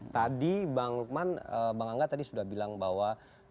tadi bang lukman bang angga tadi sudah bilang bahwa